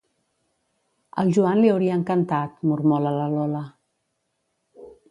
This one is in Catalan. Al Joan li hauria encantat, mormola la Lola.